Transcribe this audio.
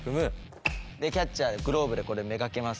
でキャッチャーでグローブでこれめがけます。